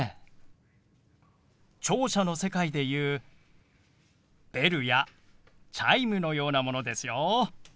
聴者の世界で言うベルやチャイムのようなものですよ。